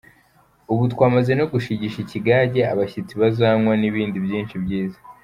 Ubu twamaze no gushigisha ikigage abashyitsi bazanywa n’ibindi byinshi byiza.